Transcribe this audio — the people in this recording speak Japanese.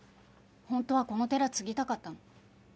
本当はこの寺継ぎたかったの。